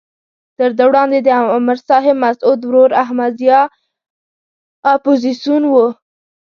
تر ده وړاندې د امر صاحب مسعود ورور احمد ضیاء اپوزیسون وو.